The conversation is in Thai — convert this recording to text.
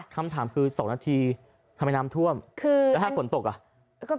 คำถามคือ๒นาทีทำไมน้ำท่วมแล้วถ้าฝนตกอ่ะ